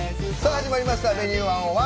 始まりました「Ｖｅｎｕｅ１０１」。